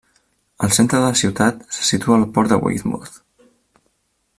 Al centre de la ciutat se situa el port de Weymouth.